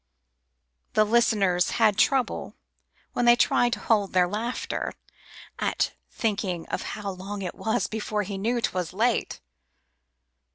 The listeners had trouble when they tried to hold their laughter At thinking of how long it was before he knew 'twas late.